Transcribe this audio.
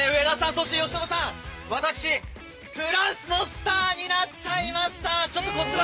そして由伸さん、私、フランスのスターになっちゃいました。